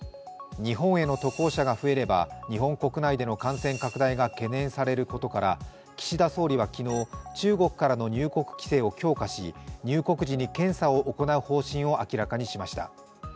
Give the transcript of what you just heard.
日本への渡航者が増えれば、日本国内での感染拡大が懸念されることから岸田総理は昨日、中国からの入国規制を強化し、入国時に検査を行う方針を明らかにしました。